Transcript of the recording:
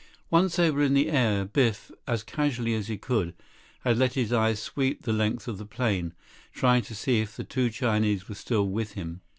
Once they were in the air, Biff, as casually as he could, had let his eyes sweep the length of the plane, trying to see if the two Chinese were still with him.